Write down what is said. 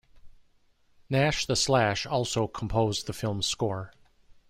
Nash the Slash also composed the film's score.